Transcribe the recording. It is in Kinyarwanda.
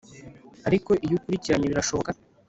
ariko iyo ukurikiranye birashoboka